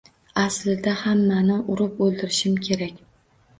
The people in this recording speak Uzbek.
Aslida hammangni urib o`ldirishim kerak